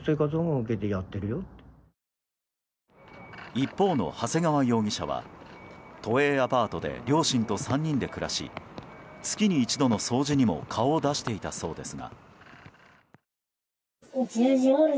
一方の長谷川容疑者は都営アパートで両親と３人で暮らし月に一度の掃除にも顔を出していたそうですが。